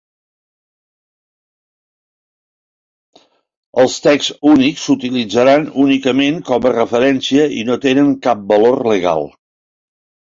Els texts únics s'utilitzaran únicament com a referència i no tenen cap valor legal.